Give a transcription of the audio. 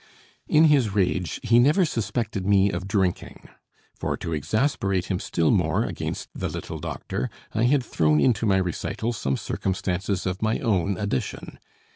In his rage, he never suspected me of drinking; for to exasperate him still more against the little doctor, I had thrown into my recital some circumstances of my own addition.